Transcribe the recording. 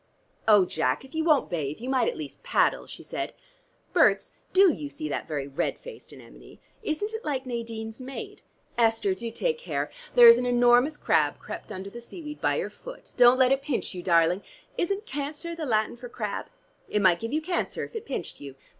"Oh, Jack, if you won't bathe you might at least paddle," she said. "Berts, do you see that very red faced anemone? Isn't it like Nadine's maid? Esther, do take care. There's an enormous crab crept under the seaweed by your foot. Don't let it pinch you, darling: isn't cancer the Latin for crab? It might give you cancer if it pinched you.